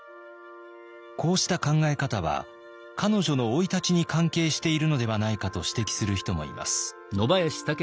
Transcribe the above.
こうした考え方は彼女の生い立ちに関係しているのではないかと指摘する人もいます。